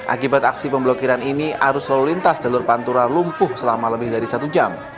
akibat aksi pemblokiran ini arus lalu lintas jalur pantura lumpuh selama lebih dari satu jam